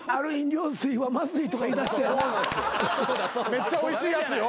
めっちゃおいしいやつよ